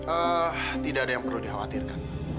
eee tidak ada yang perlu dikhawatirkan